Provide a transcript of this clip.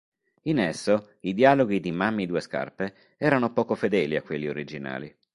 In esso i dialoghi di Mammy Due Scarpe erano poco fedeli a quelli originali.